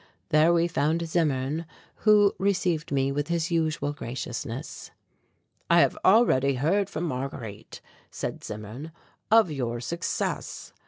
There we found Zimmern, who received me with his usual graciousness. "I have already heard from Marguerite," said Zimmern, "of your success."